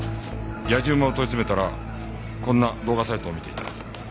野次馬を問い詰めたらこんな動画サイトを見ていた。